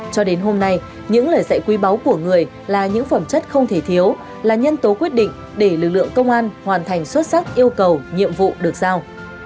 cho đến hôm nay những lời dạy quy báu của người là những phẩm chất không thể thiếu là nhân tố quyết định để lực lượng công an hoàn thành xuất sắc yêu cầu nhiệm vụ được giao